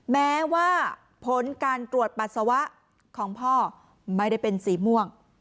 แม้ว่าผลการตรวจปัสสาวะของพ่อไม่ได้เป็นสีม่วง